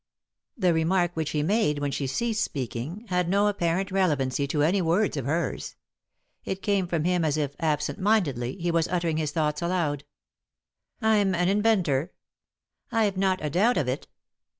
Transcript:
The remark which he made, when she ceased speaking, had no apparent relevancy to any words of hers. It came from him as if, absent mindedly, he was uttering his thoughts aloud. "I'm an inventor." " I've not a doubt of it."